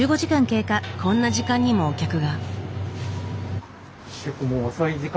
こんな時間にもお客が。